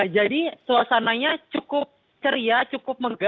jadi suasananya cukup ceria cukup mengerjakan